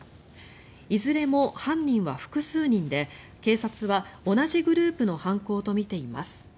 いずれも犯人は複数人で警察は同じグループの犯行とみています。